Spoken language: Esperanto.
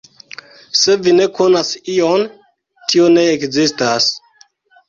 Se vi ne konas ion, tio ne ekzistas.